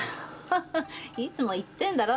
いつも言ってるだろ